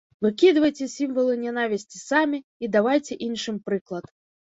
Выкідвайце сімвалы нянавісці самі і давайце іншым прыклад.